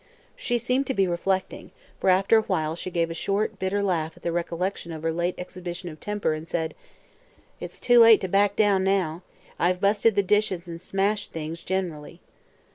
She seemed to be reflecting, for after a while she gave a short, bitter laugh at the recollection of her late exhibition of temper and said: "It's too late to back, down now. I've busted the dishes an' smashed things gen'rally."